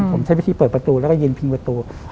ผมใช้วิธีเปิดประตูแล้วก็ยืนพิงประตู